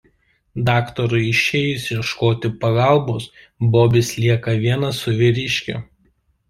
Daktarui išėjus ieškoti pagalbos Bobis lieka vienas su vyriškiu.